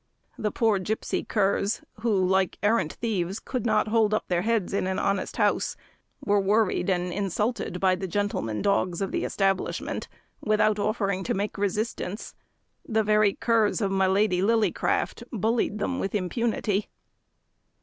The poor gipsy curs, who, like errant thieves, could not hold up their heads in an honest house, were worried and insulted by the gentleman dogs of the establishment, without offering to make resistance; the very curs of my Lady Lillycraft bullied them with impunity.